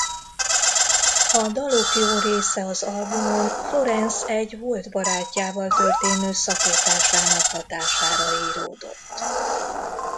A dalok jó része az albumon Florence egy volt barátjával történő szakításának hatására íródott.